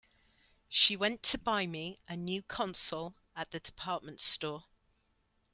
She went to buy me a new console at the department store.